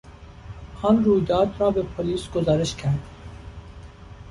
آن رویداد را به پلیس گزارش کردیم.